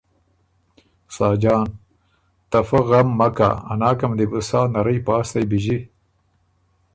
ساجان ـــ ته فۀ غم مک کۀ، ا ناکم دی بو سا نرئ پاستئ بیݫی